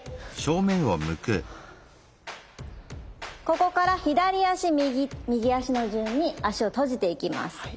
ここから左足右足の順に足を閉じていきます。